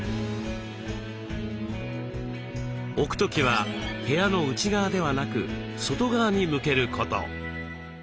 置く時は部屋の内側ではなく外側に向けること。